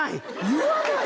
言わない？